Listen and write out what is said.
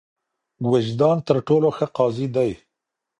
وجدان تر ټولو ښه قاضي دی.